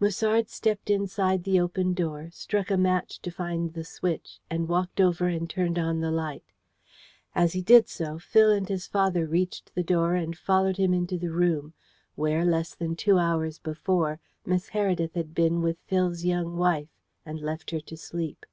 Musard stepped inside the open door, struck a match to find the switch, and walked over and turned on the light. As he did so, Phil and his father reached the door and followed him into the room, where, less than two hours before, Miss Heredith had been with Phil's young wife, and left her to sleep.